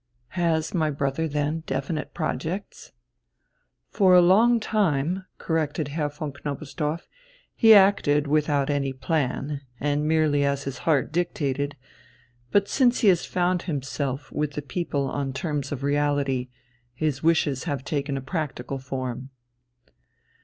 "Has my brother, then, definite projects?" "For a long time," corrected Herr von Knobelsdorff, "he acted without any plan and merely as his heart dictated; but since he has found himself with the people on terms of reality, his wishes have taken a practical form."